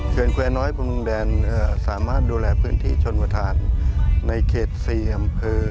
เพื่อนแควน้อยประมุงแดนสามารถดูแลพื้นที่ชนวัตรภรรภ์ในเกตสี่อำเภอ